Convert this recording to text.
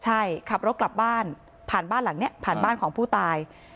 ใช่ขับรถกลับบ้านผ่านบ้านหลังนี้ผ่านบ้านของผู้ตาย